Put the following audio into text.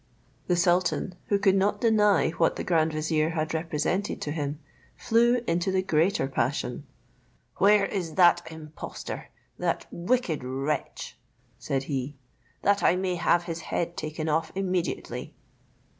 The sultan, who could not deny what the grand vizier had represented to him, flew into the greater passion: "Where is that impostor, that wicked wretch," said he, "that I may have his head taken off immediately?"